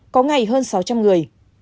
có ngày hơn sáu trăm linh người